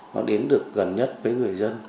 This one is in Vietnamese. nó đến được gần nhất với người dân